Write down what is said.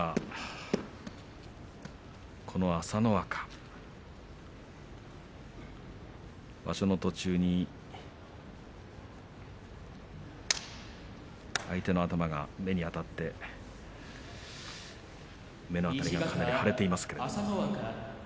この朝乃若、場所の途中に相手の頭が目にあたってかなり腫れています。